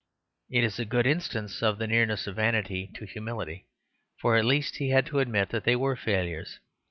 It is a good instance of the nearness of vanity to humility, for at least he had to admit that they were failures.